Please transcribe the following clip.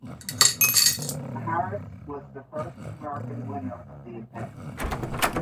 Zaharias was the first American winner of the event.